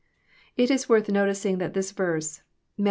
It is worth noticing that this verse, Matt.